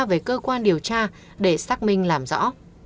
về cơ quan điều tra để xác minh làm rõ